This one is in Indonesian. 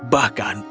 bahkan aku ingin tahu